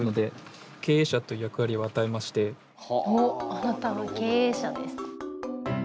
「あなたは、経営者です」。